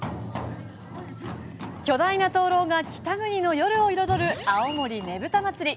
巨大な灯籠が北国の夜を彩る青森ねぶた祭。